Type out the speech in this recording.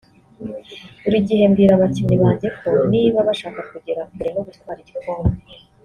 Buri gihe mbwira abakinnyi banjye ko niba bashaka kugera kure no gutwara igikombe